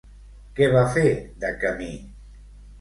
Què va fer de camí?